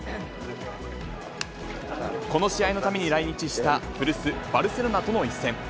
この試合のために来日した古巣、バルセロナとの一戦。